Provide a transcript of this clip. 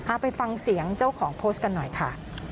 ไปฟังเสียงเจ้าของโพสต์กันหน่อยค่ะ